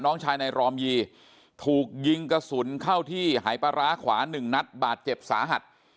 น้องชายนายรอมยีถูกยิงกระสุนเข้าที่หายปลาร้าขวาหนึ่งนัดบาดเจ็บสาหัส